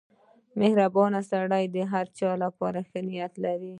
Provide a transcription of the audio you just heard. • مهربان سړی د هر چا لپاره ښه نیت لري.